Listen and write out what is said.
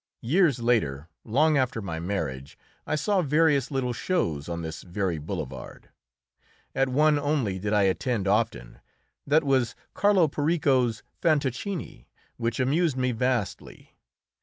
Years later, long after my marriage, I saw various little shows on this very boulevard. At one only did I attend often; that was Carlo Perico's "Fantoccini," which amused me vastly.